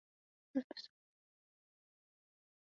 The film is known as "Sequins" in the United States.